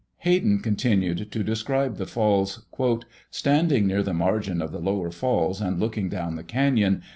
] Hayden continued to describe the falls: "Standing near the margin of the Lower Falls, and looking down the Cañon